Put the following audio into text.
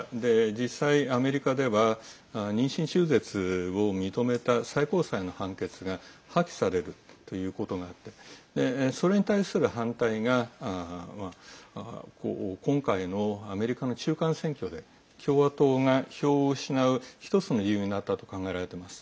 実際、アメリカでは妊娠中絶を認めた最高裁の判決が破棄されるということがあってそれに対する反対が今回のアメリカの中間選挙で共和党が票を失う１つの理由になったと考えられてます。